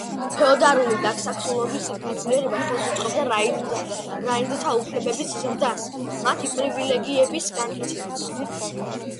ფეოდალური დაქსაქსულობის გაძლიერება ხელს უწყობდა რაინდთა უფლებების ზრდას, მათი პრივილეგიების განმტკიცებას.